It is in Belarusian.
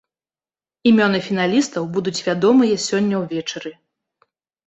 Імёны фіналістаў будуць вядомыя сёння ўвечары.